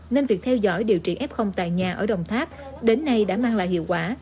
nên việc theo dõi điều trị f tại nhà ở đồng tháp đến nay đã mang lại hiệu quả